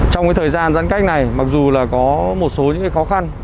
trong thời gian giãn cách này mặc dù có một số khó khăn